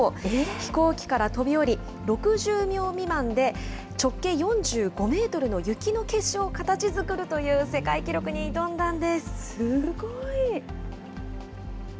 飛行機から飛び降り、６０秒未満で直径４５メートルの雪の結晶を形づくるという世界記すごい。